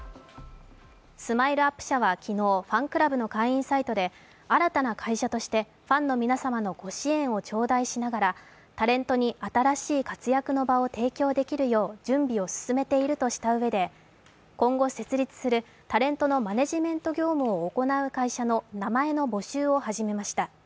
ＳＭＩＬＥ−ＵＰ．社は昨日、ファンクラブの会員サイトで、新たな会社としてファンの皆様のご支援をちょうだいしながらタレントに新しい活躍の場を提供できるよう準備を進めているとしたうえで今後設立するタレントのマネジメント業務を行う会社の名前の募集を始めました。